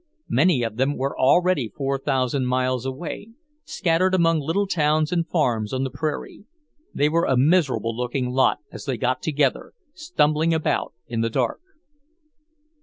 Many of them were already four thousand miles away, scattered among little towns and farms on the prairie. They were a miserable looking lot as they got together, stumbling about in the dark.